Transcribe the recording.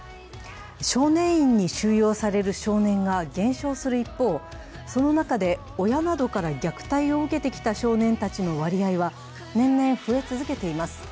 少年院に収容される少年が減少する一方、その中で親などから虐待を受けてきた少年たちの割合は年々増え続けています。